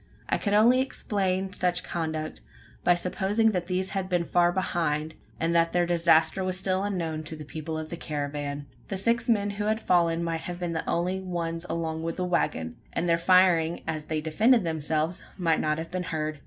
I could only explain such conduct, by supposing that these had been far behind, and that their disaster was still unknown to the people of the caravan. The six men who had fallen might have been the only ones along with the waggon; and their firing, as they defended themselves, might not have been heard?